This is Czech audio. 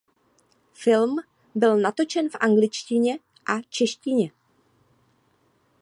Film byl natočen v angličtině a češtině.